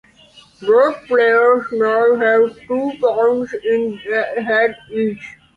Both players now have two pawns in head each.